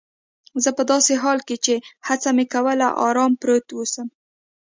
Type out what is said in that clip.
زه په داسې حال کې چي هڅه مې کول آرام پروت اوسم.